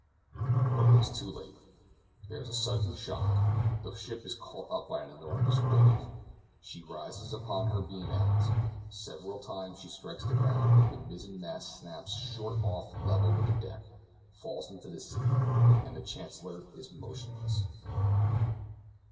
But it is too late. There is a sudden shock; the ship is caught up by an enormous wave; she rises upon her beam ends; several times she strikes the ground; the mizzen mast snaps short off level with the deck, falls into the sea, and the Chancellor is motionless.